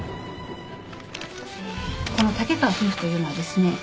この竹川夫婦というのはですね